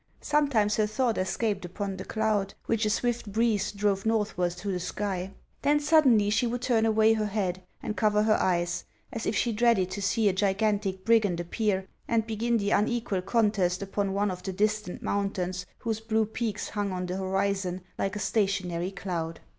Sometimes her thought escaped upon the cloud which a swift breeze drove northward through the sky ; then sud denly she would turn away her head and cover her eyes, as if she dreaded to see a gigantic brigand appear and begin the unequal contest upon one of the distant mountains whose blue peaks hung on the horizon like a stationary cloud.